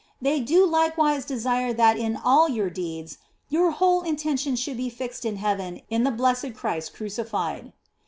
They do likewise desire that in all your deeds your whole intention should be fixed in heaven in the blessed Christ Crucified.